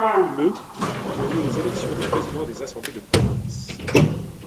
Le ont lieu les élections des présidents des Assemblées de Province.